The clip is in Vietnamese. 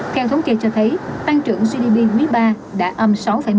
theo thống kê cho thấy tăng trưởng gdp quý ba đã âm sáu một mươi bảy